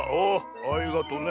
ありがとね。